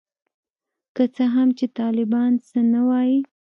که څه هم چي طالبان څه نه وايي.